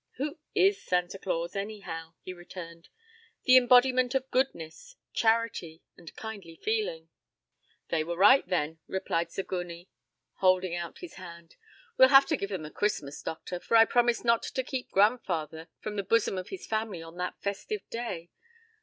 "Who is Santa Claus, anyhow?" he returned. "The embodiment of goodness, charity and kindly feeling." "They were right, then," replied Sigourney, holding out his hand. "We'll have to give them a Christmas, doctor, for I promised not to keep grandfather from the bosom of his family on that festal day.